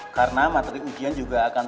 karena materi ujian juga akan